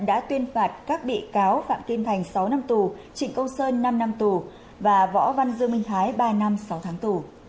đã tuyên phạt các bị cáo phạm kim thành sáu năm tù trịnh công sơn năm năm tù và võ văn dương minh thái ba năm sáu tháng tù